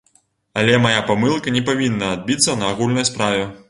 Але мая памылка не павінна адбіцца на агульнай справе.